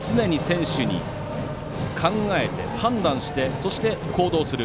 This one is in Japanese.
山本監督は、常に選手に考えて、判断してそして行動する。